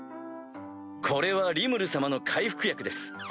これはリムル様の回復薬です。